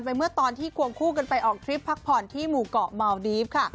เมื่อตอนที่ควงคู่กันไปออกทริปพักผ่อนที่หมู่เกาะเมาดีฟค่ะ